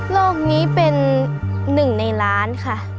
โลกนี้เป็นหนึ่งในล้านค่ะ